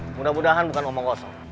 mudah mudahan bukan omong kosong